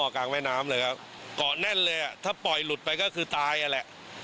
กลางแม่น้ำเลยครับเกาะแน่นเลยอ่ะถ้าปล่อยหลุดไปก็คือตายอ่ะแหละ